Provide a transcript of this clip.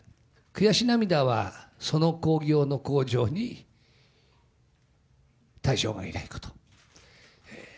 悔し涙は、その興行の口上に大将がいないこと。